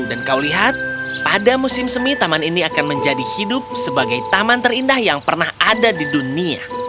dan kau lihat pada musim semi taman ini akan menjadi hidup sebagai taman terindah yang pernah ada di dunia